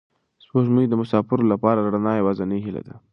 سپوږمۍ د مساپرو لپاره د رڼا یوازینۍ هیله ده.